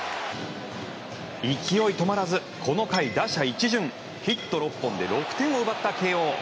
勢い止まらずこの回、打者一巡ヒット６本で６点を奪った慶應。